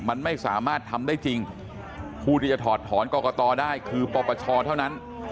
มันไม่สามารถทำได้จริงผู้ที่จะถอดถอนกรกตได้คือปปชเท่านั้น